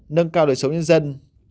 nâng cao đời sống nhân dân